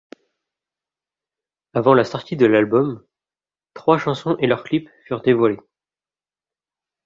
Avant la sortie de l’album, trois chansons et leur clips furent dévoilés.